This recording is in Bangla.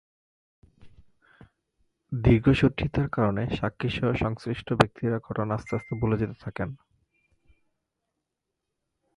দীর্ঘসূত্রতার কারণে সাক্ষীসহ সংশ্লিষ্ট ব্যক্তিরা ঘটনা আস্তে আস্তে ভুলে যেতে থাকেন।